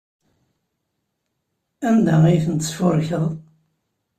Anda ay tent-tesfurkeḍ?